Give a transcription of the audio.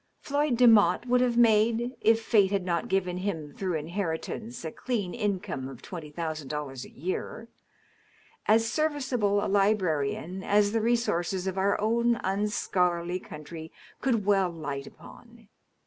Floyd Demotte would have made (if fate had not given him through inheritance a clean income of twenty thousand dollars a year) as serviceable a librarian as the resources of our own unscholarly country could well light upon.